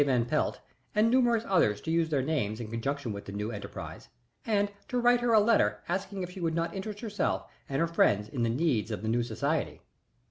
Van Pelt, and numerous others to use their names in connection with the new enterprise and to write her a letter asking if she would not interest herself and her friends in the needs of the new society.